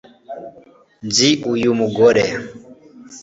Nzi uyu mugore